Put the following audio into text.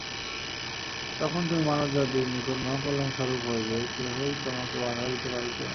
তখন তুমি মানবজাতির নিকট মহাকল্যাণস্বরূপ হইবে, কেহই তোমাকে বাধা দিতে পারিবে না।